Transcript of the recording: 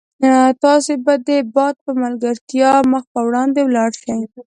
تاسي به د باد په ملګرتیا مخ په وړاندې ولاړ شئ.